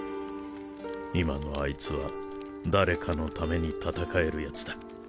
今のあいつは誰かのために戦えるヤツだ